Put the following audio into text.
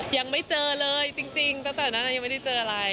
ยังไม่เจอเลยจริงตั้งแต่นั้นยังไม่ได้เจออะไร